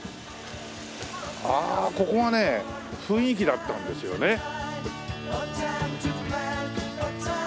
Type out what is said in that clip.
ああここがね雰囲気だったんですよね。